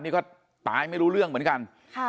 นี่ก็ตายไม่รู้เรื่องเหมือนกัน